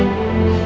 jangan bawa dia